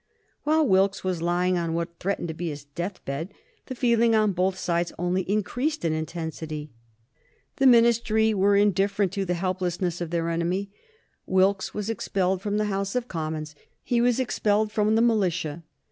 While Wilkes was lying on what threatened to be his death bed the feeling on both sides only increased in intensity. The Ministry were indifferent to the helplessness of their enemy. Wilkes was expelled from the House of Commons. He was expelled from the Militia.